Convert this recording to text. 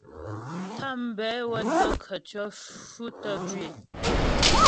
Tàmbɛ wə də́ khətʉɔ̌ fʉtəm jwǐ é.